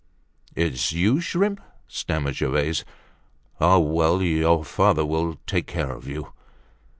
"It's you, shrimp?" stammered Gervaise. "Ah, well, your father will take care of you."